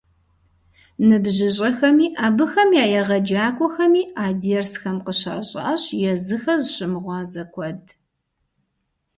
НыбжьыщӀэхэми абыхэм я егъэджакӀуэхэми а дерсхэм къыщащӀащ езыхэр зыщымыгъуазэ куэд.